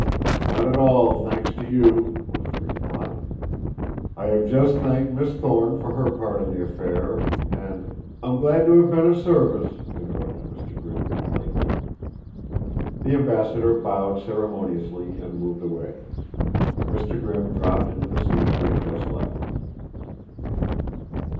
"Not at all, thanks to you," was the reply. "I have just thanked Miss Thorne for her part in the affair, and " "I'm glad to have been of service," interrupted Mr. Grimm lightly. The ambassador bowed ceremoniously and moved away. Mr. Grimm dropped into the seat he had just left.